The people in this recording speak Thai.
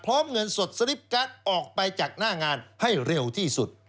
เงินสดสลิปการ์ดออกไปจากหน้างานให้เร็วที่สุด